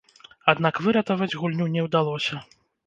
Аднак выратаваць гульню не ўдалося.